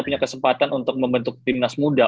punya kesempatan untuk membentuk timnas muda